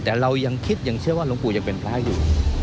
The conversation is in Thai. แต่เรายังคิดยังเชื่อว่าหลวงปู่ยังเป็นพระอยู่